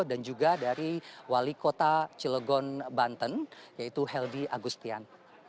dan juga dari wali kota cilegon banten yaitu heldy agustian